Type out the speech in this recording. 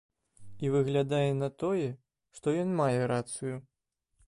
І выглядае на тое, што ён мае рацыю.